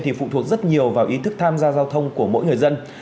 thì phụ thuộc rất nhiều vào ý thức tham gia giao thông của mỗi người dân